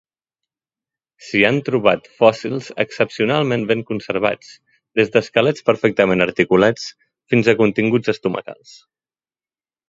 S'hi han trobat fòssils excepcionalment ben conservats, des d'esquelets perfectament articulats fins a continguts estomacals.